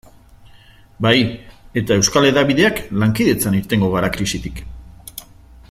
Bai, eta euskal hedabideak lankidetzan irtengo gara krisitik.